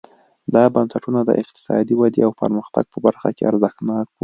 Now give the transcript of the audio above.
دا بنسټونه د اقتصادي ودې او پرمختګ په برخه کې ارزښتناک وو.